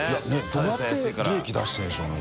どうやって出してるんでしょうね？